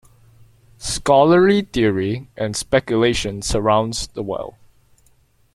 Scholarly theory and speculation surrounds the well.